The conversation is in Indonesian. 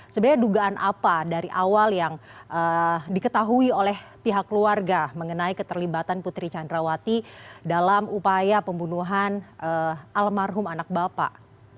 sebenarnya dugaan apa dari awal yang diketahui oleh pihak keluarga mengenai keterlibatan putri candrawati dalam upaya pembunuhan almarhum anak bapak